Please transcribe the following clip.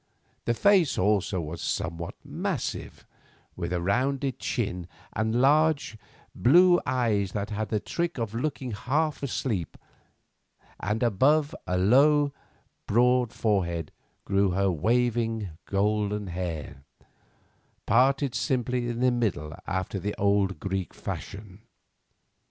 The face also was somewhat massive, with a rounded chin and large, blue eyes that had a trick of looking half asleep, and above a low, broad forehead grew her waving, golden hair, parted simply in the middle after the old Greek fashion.